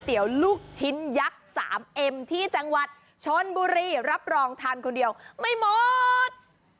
เดี๋ยวลูกชิ้นยักษ์สามเอ็มที่จังหวัดชนบุรีรับรองทานคนเดียวไม่หมด